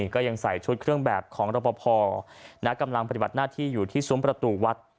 ก็ยังใส่ชุดเครื่องแบบของรปภกำลังปฏิบัติหน้าที่อยู่ที่ซุ้มประตูวัด